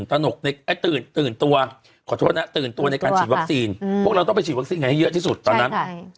พวกเราต้องไปฉีดวัคซีนให้เยอะที่สุดตอนนั้น